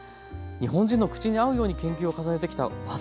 日本人の口に合うように研究を重ねてきた技